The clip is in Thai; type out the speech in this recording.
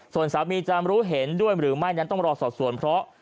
ส่วนสามีจะรู้เห็นด้วยหรือไม่นั้นต้องรอสอบส่วนเพราะ